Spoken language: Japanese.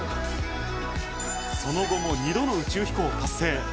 その後も２度の宇宙飛行を達成。